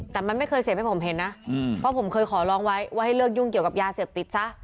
แต่มันไม่เคยเสพให้ผมเห็นนะเพราะผมเคยขอร้องไว้ว่าให้เลิกยุ่งเกี่ยวกับยาเสพติดซะ